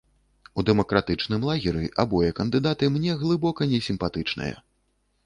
У дэмакратычным лагеры абое кандыдаты мне глыбока несімпатычныя.